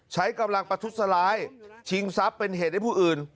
ใช้กำลังประทุษร้ายชิงทรัพย์เป็นเหตุให้ผู้อื่น